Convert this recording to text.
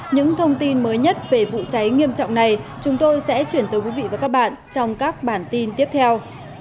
những thông tin mới nhất về vụ cháy nghiêm trọng này chúng tôi sẽ chuyển tới quý vị và các bạn trong các bản tin tiếp theo